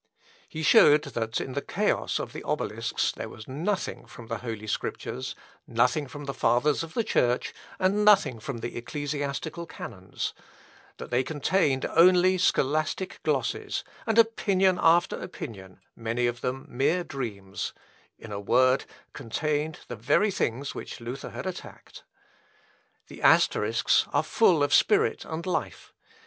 He showed that in the chaos of the Obelisks there was nothing from the holy Scriptures, nothing from the Fathers of the Church, and nothing from the ecclesiastical canons; that they contained only scholastic glosses, and opinion after opinion, many of them mere dreams; in a word, contained the very things which Luther had attacked. The Asterisks are full of spirit and life.